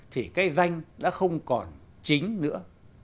thì cái danh đã không còn chính nữa